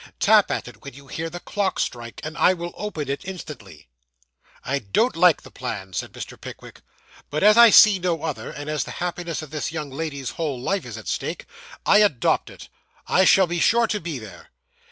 Tap at it when you hear the clock strike, and I will open it instantly.' 'I don't like the plan,' said Mr. Pickwick; 'but as I see no other, and as the happiness of this young lady's whole life is at stake, I adopt it. I shall be sure to be there.